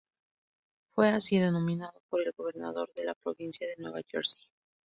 Fue así denominado por el gobernador de la provincia de Nueva Jersey.